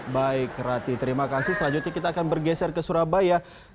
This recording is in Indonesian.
baik rati terima kasih selanjutnya kita akan bergeser ke surabaya